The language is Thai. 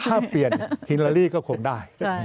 ถ้าเปลี่ยนฮิลาลีก็คงได้